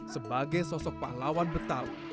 sebagai sosok pahlawan betawi